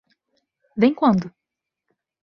Vem quando?